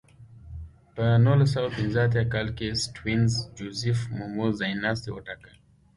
په نولس سوه پنځه اتیا کال کې سټیونز جوزیف مومو ځایناستی وټاکه.